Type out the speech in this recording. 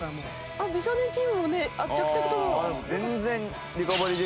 あっ美少年チームもね着々と。